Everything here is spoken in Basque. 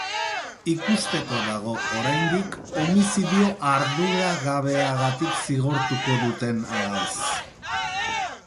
Ikusteko dago, oraindik, homizidio arduragabeagatik zigortuko duten ala ez.